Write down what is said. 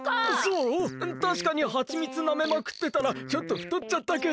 たしかにハチミツなめまくってたらちょっとふとっちゃったけど。